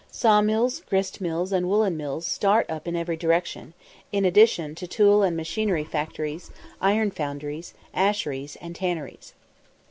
Saw mills, grist mills, and woollen mills start up in every direction, in addition to tool and machinery factories, iron foundries, asheries, and tanneries.